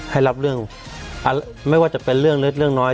ให้รับเรื่องไม่ว่าจะเป็นเรื่องเล็กเรื่องน้อย